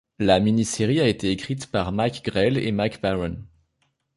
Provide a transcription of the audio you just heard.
La mini-série a été écrite par Mike Grell et Mike Baron.